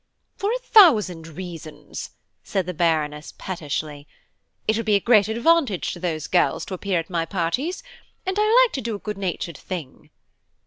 "For a thousand reasons," said the Baroness, pettishly. "It would be a great advantage to those girls to appear at my parties, and I like to do a good natured thing."